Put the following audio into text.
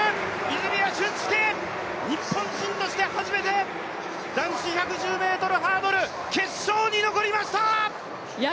泉谷駿介、日本人として初めて男子１１０ｍハードル決勝に残りました！